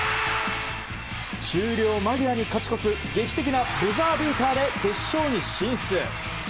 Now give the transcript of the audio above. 終了間際に勝ち越す、劇的なブザービーターで決勝に進出。